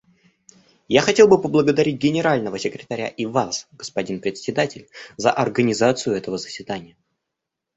Я хотел бы поблагодарить Генерального секретаря и Вас, господин Председатель, за организацию этого заседания.